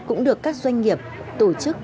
cũng được các doanh nghiệp tổ chức